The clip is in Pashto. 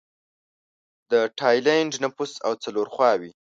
د ټایلنډ نفوس او څلور خواووې